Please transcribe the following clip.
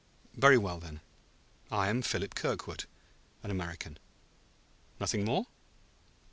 "Very well, then; I am Philip Kirkwood, an American." "Nothing more?"